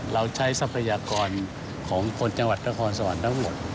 เราใช้ทรัพยากรของคนจังหวัดนครสวรรค์ทั้งหมด